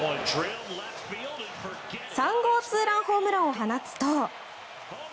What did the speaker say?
３号ツーランホームランを放つと。